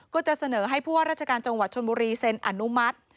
ก็จะเสนอให้ผู้ว่าราชการจังหวัดชนบุรีเซ็นอนุมัติ